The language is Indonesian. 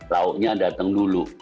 lauknya datang dulu